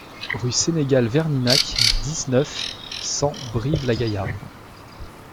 Rue Ségéral Verninac, dix-neuf, cent Brive-la-Gaillarde